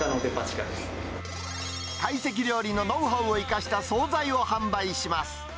会席料理のノウハウを生かした総菜を販売します。